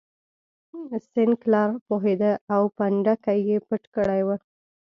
سینکلر پوهېده او پنډکی یې پټ کړی و.